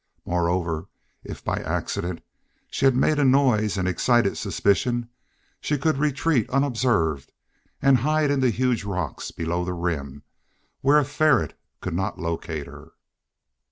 Moreover, if by accident she made a noise and excited suspicion, she could retreat unobserved and hide in the huge rocks below the Rim, where a ferret could not locate her.